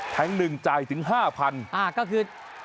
แทงก์นึงจ่ายถึงห้าพันอ้าก็คือ